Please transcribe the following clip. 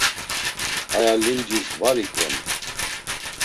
Aya limcis var iqven.